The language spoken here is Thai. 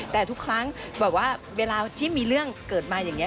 แต่ทุกครั้งแบบว่าเวลาที่มีเรื่องเกิดมาอย่างนี้